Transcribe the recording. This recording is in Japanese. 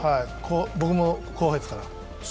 僕の後輩ですから。